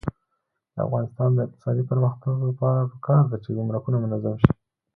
د افغانستان د اقتصادي پرمختګ لپاره پکار ده چې ګمرکونه منظم شي.